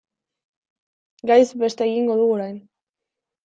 Gaiz beste egingo dugu orain.